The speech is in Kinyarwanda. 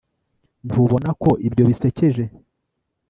ntubona ko ibyo bisekeje